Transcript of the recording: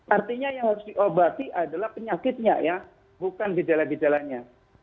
artinya yang harus diobati adalah penyakitnya ya bukan gejala gejalanya